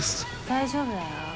大丈夫だよ。